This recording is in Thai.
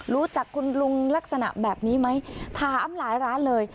รู้จักคุณลุงลักษณะแบบนี้ไหมถามหลายร้านเลย